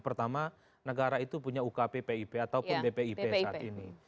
pertama negara itu punya ukp pip ataupun bpip saat ini